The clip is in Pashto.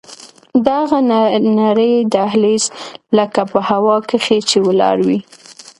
دغه نرى دهلېز لکه په هوا کښې چې ولاړ وي.